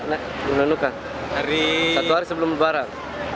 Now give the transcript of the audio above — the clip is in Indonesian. satu hari sebelum lebaran